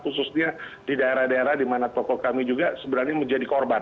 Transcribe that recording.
khususnya di daerah daerah di mana tokoh kami juga sebenarnya menjadi korban